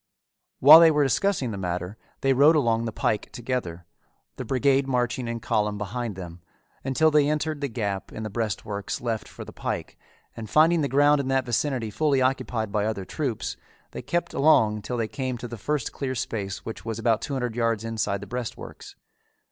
While they were discussing the matter they rode along the pike together, the brigade marching in column behind them, until they entered the gap in the breastworks left for the pike and finding the ground in that vicinity fully occupied by other troops, they kept along till they came to the first clear space which was about two hundred yards inside the breastworks.